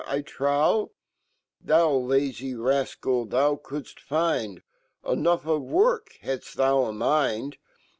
I trow, Thou lazy rafcal , 5\oucouldft find Enough of work , had/I fhou a mind